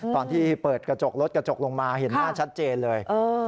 ตอนที่เปิดกระจกรถกระจกลงมาเห็นหน้าชัดเจนเลย